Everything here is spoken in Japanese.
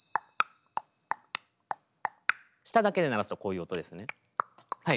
舌だけで鳴らすとこういう音ですね。